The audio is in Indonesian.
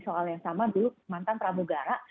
soal yang sama dulu mantan pramugara